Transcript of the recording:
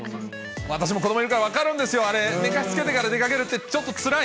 私も子どもいるから分かるんですよ、寝かしつけてから出かけるって、ちょっとつらい。